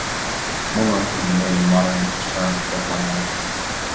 Mummer is an Early Modern English term for a mime artist.